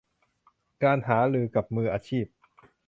การหารือกับมืออาชีพ